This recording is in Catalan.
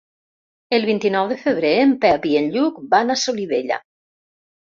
El vint-i-nou de febrer en Pep i en Lluc van a Solivella.